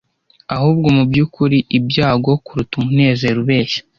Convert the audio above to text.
ahubwo mubyukuri ibyago kuruta umunezero ubeshya